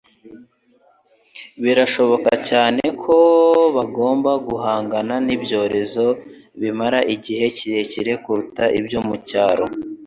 birashoboka cyane ko bagomba guhangana n’ibyorezo bimara igihe kirekire kuruta ibyo mu cyaro.